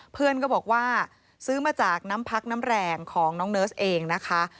เพื่อนก็บอกว่าซื้อมาจากน้ำพักน้ำแรงของน้องเนิร์สเองนะคะ